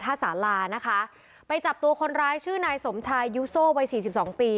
สารานะคะไปจับตัวคนร้ายชื่อนายสมชายยูโซ่วัยสี่สิบสองปี